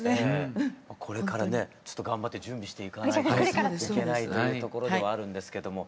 これからねちょっと頑張って準備していかないといけないというところではあるんですけども。